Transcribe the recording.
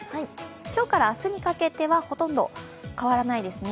今日から明日にかけてはほとんど変わらないですね。